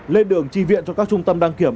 lên đường tri viện cho các trung tâm đăng kiểm